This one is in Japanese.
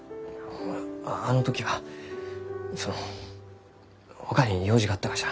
ああの時はそのほかに用事があったがじゃ。